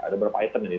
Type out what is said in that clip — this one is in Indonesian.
ada berapa item ini